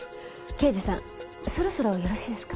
刑事さんそろそろよろしいですか？